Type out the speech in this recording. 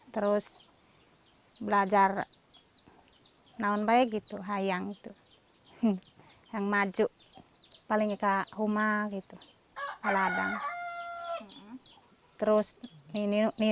terus belajar naon baik gitu hayang itu yang maju paling kita rumah gitu aladang terus ini